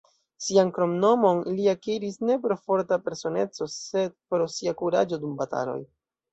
Sian kromnomon li akiris ne pro forta personeco, sed pro sia kuraĝo dum bataloj.